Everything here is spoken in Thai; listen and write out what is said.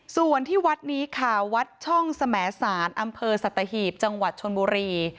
ส่วนที่วัดนี้ค่ะวัดช่องสมสารอำเภอสัตหีบจังหวัดชนบุรี